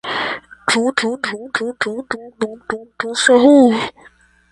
Kelkaj el ili estis prezentitaj en Nacia Teatro (Pest).